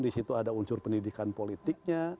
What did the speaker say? di situ ada unsur pendidikan politiknya